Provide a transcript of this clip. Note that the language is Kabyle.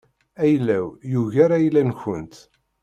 Ayla-w yugar ayla-nkent.